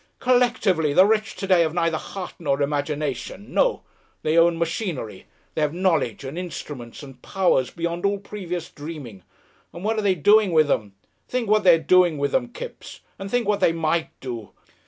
"Collectively, the rich to day have neither heart nor imagination. No! They own machinery, they have knowledge and instruments and powers beyond all previous dreaming, and what are they doing with them? Think what they are doing with them, Kipps, and think what they might do.